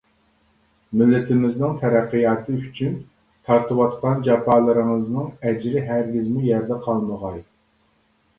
مىللىتىمىزنىڭ تەرەققىياتى ئۈچۈن تارتىۋاتقان جاپالىرىڭىزنىڭ ئەجرى ھەرگىزمۇ يەردە قالمىغاي!